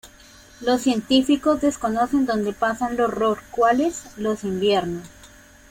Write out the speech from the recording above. Los científicos desconocen dónde pasan los rorcuales los inviernos.